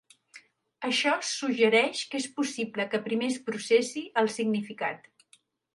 Això suggereix que és possible que primer es processi el significat.